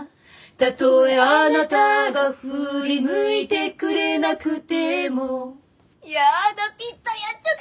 「たとえあなたがふり向いてくれなくても」やだピッタリ合っちゃった。